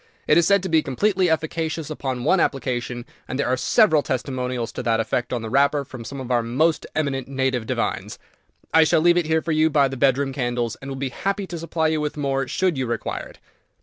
It is said to be completely efficacious upon one application, and there are several testimonials to that effect on the wrapper from some of our most eminent native divines. I shall leave it here for you by the bedroom candles, and will be happy to supply you with more, should you require it."